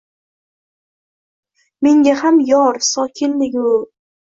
Menga ham yor sokinligu